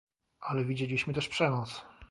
Ale widzieliśmy też przemoc